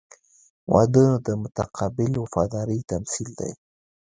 • واده د متقابل وفادارۍ تمثیل دی.